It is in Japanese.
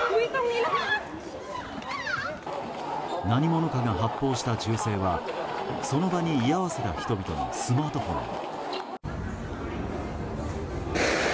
何者かが発砲した銃声はその場に居合わせた人々のスマートフォンに。